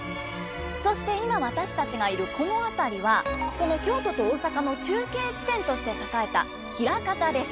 そして今私たちがいるこの辺りはその京都と大阪の中継地点として栄えた枚方です。